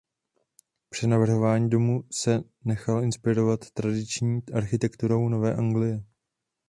Při navrhování domu se nechal inspirovat tradiční architekturou Nové Anglie.